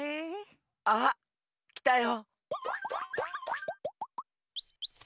あきたよ！